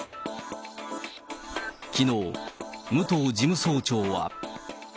きのう、武藤事務総長は。